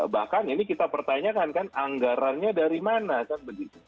bahkan ini kita pertanyakan kan anggarannya dari mana kan begitu